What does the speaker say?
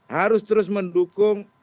harus terus mendukung